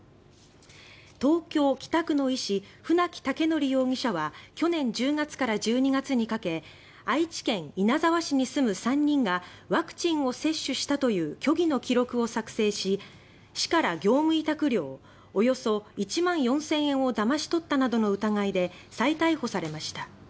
東京・北区の医師船木威徳容疑者は去年１０月から１２月にかけ愛知県稲沢市の家族３人がワクチンを接種したという虚偽の記録を作成し市から業務委託料およそ１万４０００円をだまし取ったなどの疑いで再逮捕されました。